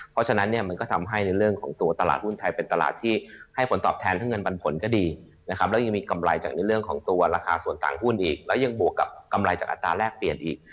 เพราะฉะนั้นเนี่ยมันก็ทำให้ในเรื่องของตัวตลาดหุ้นไทยเป็นตลาดที่ให้ผลตอบแทนทั้งเงินปันผลก็ดีนะครับแล้วยังมีกำไรจากในเรื่องของตัวราคาส่วนต่างหุ้นอีกแล้วยังบวกกับกำไรจากอัตราแรกเปลี่ยนอีก